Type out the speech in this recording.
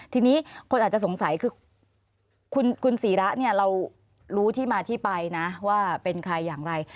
ทีนี้คนอาจจะสงสัยคือคุณศีระเนี่ยเรารู้ที่มาที่ไปนะว่าเป็นใครอย่างไร